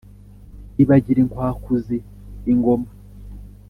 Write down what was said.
ibagira inkwakuzi ingoma.